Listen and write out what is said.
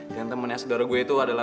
dan temennya saudara gue itu adalah